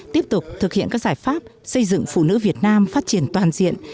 tiếp tục thực hiện các giải pháp xây dựng phụ nữ việt nam phát triển toàn diện